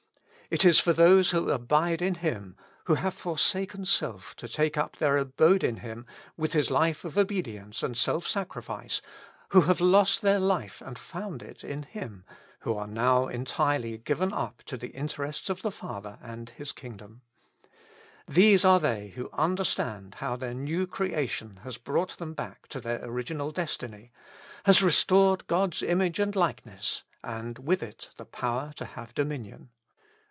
It is for those who abide in Him, who have forsaken self to take up their abode in Him with His life of obedience and self sacrifice, who have lost their life and found it in Him, who are now entirely given up to the interests of the Father and His kingdom. These are they who understand how their new creation has brought them back to their original destiny, has restored God's image and likeness, and with it the power to have dominion.